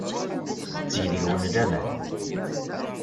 Tetteg deg-wen laman.